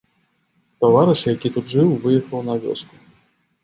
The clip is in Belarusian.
Таварыш, які тут жыў, выехаў на вёску.